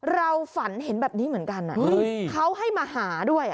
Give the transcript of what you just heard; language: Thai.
เราฝันเห็นแบบนี้เหมือนกันเขาให้มาหาด้วย